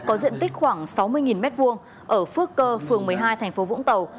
có diện tích khoảng sáu mươi m hai ở phước cơ phường một mươi hai thành phố vũng tàu